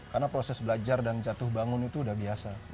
karena proses belajar dan jatuh bangun itu udah biasa